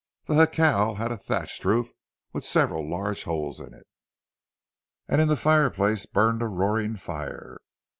The jacal had a thatched roof with several large holes in it, and in the fireplace burned a roaring fire.